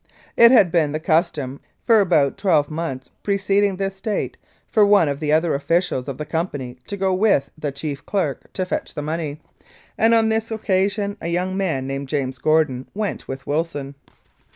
It had been the custom for about twelve months pre ceding this date for one of the other officials of the company to go with the chief clerk to fetch the money, 256 The Wilson Murder and Robbery arid on this occasion a young man named James Gordon went with Wilson.